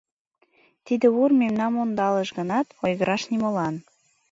Тиде Ур мемнан ондалыш гынат, ойгыраш нимолан.